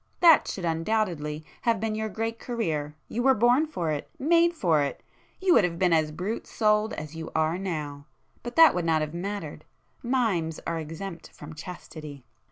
That should undoubtedly have been your 'great' career—you were born for it—made for it! You would have been as brute souled as you are now,—but that would not have mattered,—mimes are exempt from chastity!"